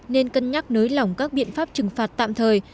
nên cân nhắc nới lỏng các biện pháp trừng phạt tạm thời